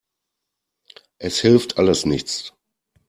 Es hilft alles nichts.